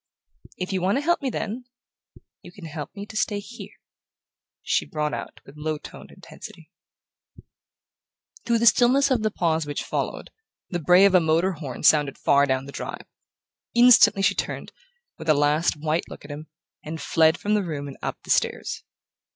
"If you want to help me, then you can help me to stay here," she brought out with low toned intensity. Through the stillness of the pause which followed, the bray of a motor horn sounded far down the drive. Instantly she turned, with a last white look at him, and fled from the room and up the stairs.